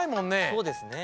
そうですね。